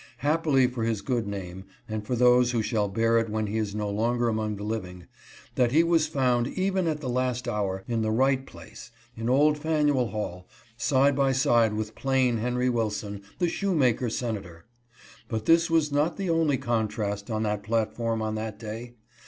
Happily for his good name, and for those who shall bear it when he is no longer among the living, that he was found, even at the last hour, in the right place — in old Faneuil HaJl — side by side with plain Henry Wilson — the shoemaker senator. But this was not the only contrast on that platform on that day.